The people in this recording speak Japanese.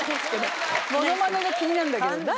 モノマネが気になるんだけど誰？